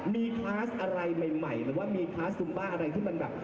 มีพาสอะไรใหม่หรือว่ามีพาสซุมบ้าอะไรที่มันแบบ